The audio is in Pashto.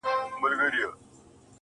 نو گراني ته چي زما قدم باندي_